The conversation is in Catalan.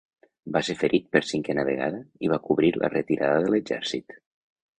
Va ser ferit per cinquena vegada i va cobrir la retirada de l'exèrcit.